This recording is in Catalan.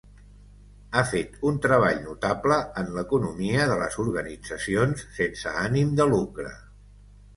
Ha fet un treball notable en l'economia de les organitzacions sense ànim de lucre.